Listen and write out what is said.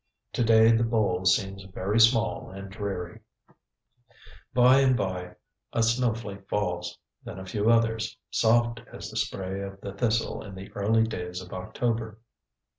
Today the bowl seems very small and dreary. By and by a snowflake falls, then a few others, soft as the spray of the thistle in the early days of October.